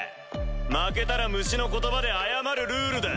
負けたら虫の言葉で謝るルールだ。